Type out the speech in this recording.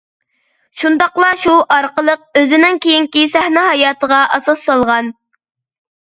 شۇنداقلا شۇ ئارقىلىق ئۆزىنىڭ كېيىنكى سەھنە ھاياتىغا ئاساس سالغان.